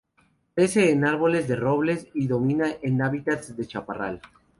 Crece en arboledas de robles y domina en hábitats de chaparral.